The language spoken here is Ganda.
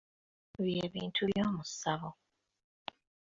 Bye bintu by'omu ssabo.